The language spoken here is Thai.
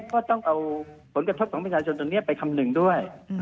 ก็ต้องเอาผลกระทบของประชาชนตรงนี้ไปคำหนึ่งด้วย